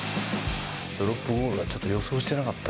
ドロップゴールはちょっと予想してなかった。